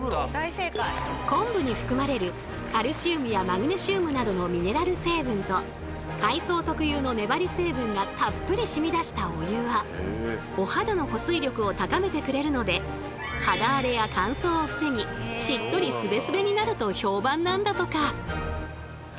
昆布に含まれるカルシウムやマグネシウムなどのミネラル成分と海藻特有の粘り成分がたっぷりしみ出したお湯はお肌の保水力を高めてくれるので肌荒れや乾燥を防ぎしっとりすべすべになると評判なんだとか。